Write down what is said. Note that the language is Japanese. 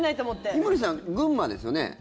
井森さん、群馬ですよね？